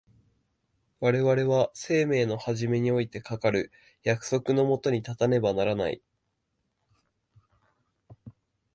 我々は生命の始めにおいてかかる約束の下に立たねばならない。